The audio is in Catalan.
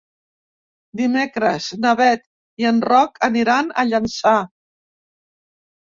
Dimecres na Beth i en Roc aniran a Llançà.